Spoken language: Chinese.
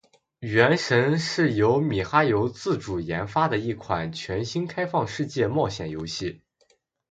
《原神》是由米哈游自主研发的一款全新开放世界冒险游戏。